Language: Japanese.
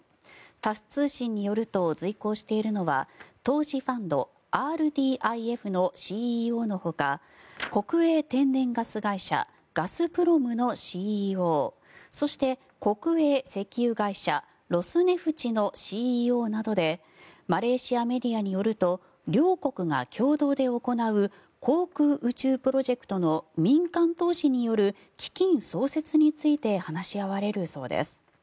タス通信によると随行しているのは投資ファンドＲＤＩＦのＣＥＯのほか国営天然ガス会社ガスプロムのＣＥＯそして国営石油会社ロスネフチのＣＥＯなどでマレーシアメディアによると両国が共同で行う航空宇宙プロジェクトの民間投資による基金創設について話し合われるそうです。